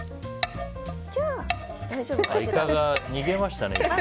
イカが逃げましたね。